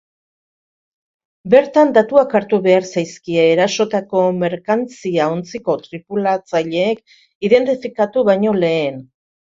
Bertan datuak hartu behar zaizkie, erasotako merkantzia-ontziko tripulatzaileek identifikatu baino lehen.